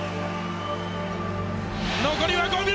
残りは５秒！